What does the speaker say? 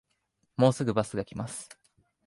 もうすぐバスが来ます